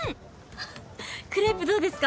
ははっクレープどうですか？